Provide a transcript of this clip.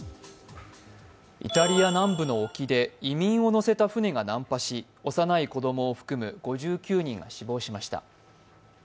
イタリア南部の沖で移民を乗せた船が難破し幼い子供を含む５９人が死亡しました。